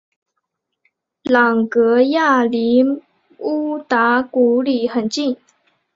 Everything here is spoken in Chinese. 朗格亚离乌达古里很近。